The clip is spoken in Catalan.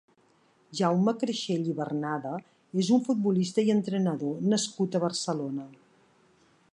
Jaume Creixell i Barnada és un futbolista i entrenador nascut a Barcelona.